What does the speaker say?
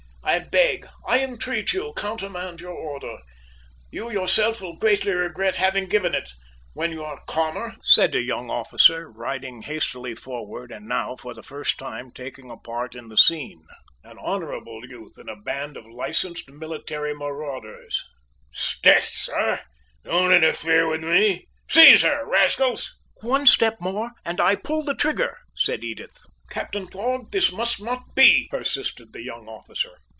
I beg, I entreat you, countermand your order! You yourself will greatly regret having given it, when you are calmer," said a young officer, riding hastily forward, and now, for the first time, taking a part in the scene. An honorable youth in a band of licensed military marauders. "'Sdeath, sir! Don't interfere with me! Seize her, rascals!" "One step more, and I pull the trigger!" said Edith. "Captain Thorg! This must not be!" persisted the young officer.